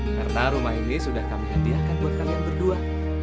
karena rumah ini sudah kami hadiahkan buat kalian berdua